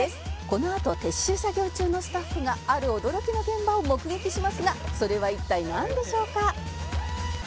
「このあと撤収作業中のスタッフがある驚きの現場を目撃しますがそれは一体なんでしょうか？」